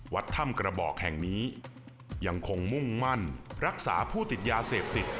วัดถ้ำกระบอกแห่งนี้ยังคงมุ่งมั่นรักษาผู้ติดยาเสพติด